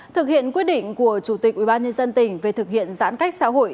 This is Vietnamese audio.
thực hiện quyết định của chủ tịch ubnd tỉnh về thực hiện giãn cách xã hội